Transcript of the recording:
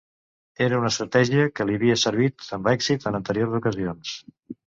Era una estratègia que li havia servit amb èxit en anteriors ocasions.